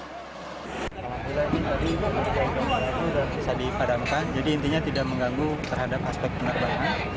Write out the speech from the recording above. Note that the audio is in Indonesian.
alhamdulillah ini tadi sudah bisa dipadamkan jadi intinya tidak mengganggu terhadap aspek penerbangan